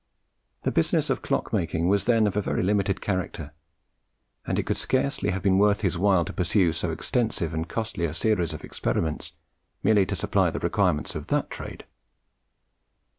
The business of clock making was then of a very limited character, and it could scarcely have been worth his while to pursue so extensive and costly a series of experiments merely to supply the requirements of that trade.